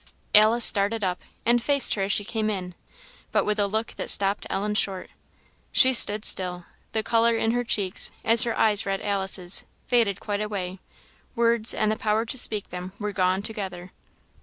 Alice started up and faced her as she came in, but with a look that stopped Ellen short. She stood still; the colour in her cheeks, as her eyes read Alice's, faded quite away; words, and the power to speak them were gone together.